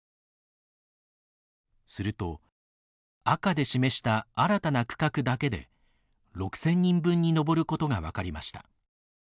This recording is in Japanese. すると、赤で示した新たな区画だけで６０００人分に上ることが分かりました。